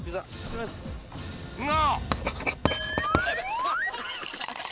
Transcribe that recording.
が！